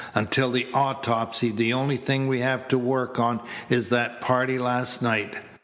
Until the autopsy the only thing we have to work on is that party last night.